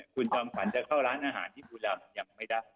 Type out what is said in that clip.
คุณจอมขวัญจะเข้าร้านอาหารที่บุรีรำยังไม่ได้